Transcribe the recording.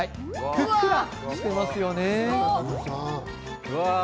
ふっくらしてますね。